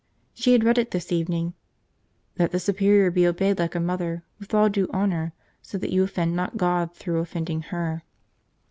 She had read it this evening. "Let the superior be obeyed like a mother, with all due honor, so that you offend not God through offending her."